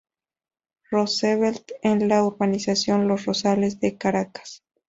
Roosevelt en la urbanización Los Rosales de Caracas.